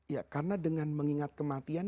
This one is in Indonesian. ya karena dengan mengingat kematian